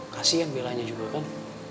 kasih yang bella aja juga kan